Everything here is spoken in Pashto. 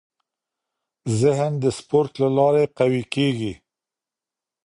ذهن د سپورت له لارې قوي کېږي.